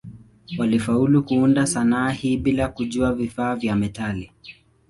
Walifaulu kuunda sanaa hii bila kujua vifaa vya metali.